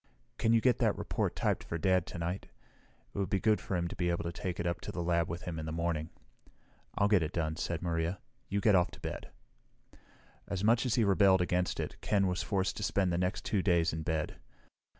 "Can you get that report typed for Dad tonight? It would be good for him to be able to take it to the lab with him in the morning." "I'll get it done," said Maria. "You get off to bed." As much as he rebelled against it, Ken was forced to spend the next two days in bed. Dr.